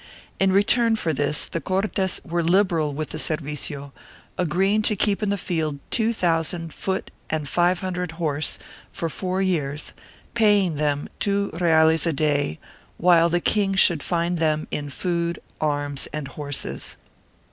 In return for this the Cortes were liberal with the servicio, agreeing to keep in the field two thousand foot and five hundred horse for four years, paying them two reales a day, while the king should find them in food, arms and horses.